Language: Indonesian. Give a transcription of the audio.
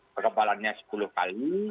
kekebalannya sepuluh kali